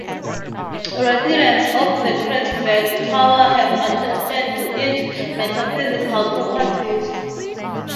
Residents of the Kreuzberg Tower have attested to its metaphysical properties.